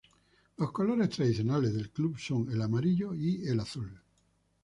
Los colores tradicionales del club son el amarillo y el azul.